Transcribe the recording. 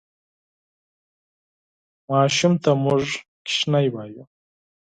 ماشوم ته موږ کوچنی وایو